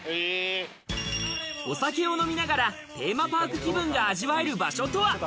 お酒を飲みながらテーマパーク気分が味わえる場所とは？